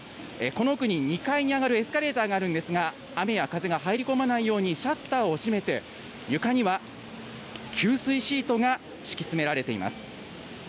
この奥に２階に上がるエスカレーターがあるんですが雨や風が入り込まないようにシャッターを閉めて床には吸水シートが敷き詰められています。